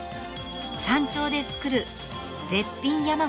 山頂で作る絶品山ごはん。